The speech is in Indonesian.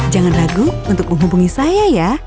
jangan ragu untuk menghubungi saya ya